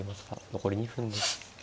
残り２分です。